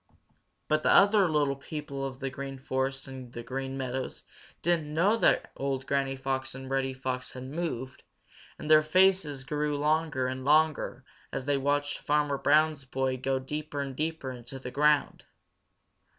But the other little people of the Green Forest and the Green Meadows didn't know that old Granny Fox and Reddy Fox had moved, and their faces grew longer and longer as they watched Farmer Brown's boy go deeper and deeper into the ground.